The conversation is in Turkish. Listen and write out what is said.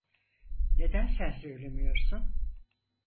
Neden sen söylemiyorsun?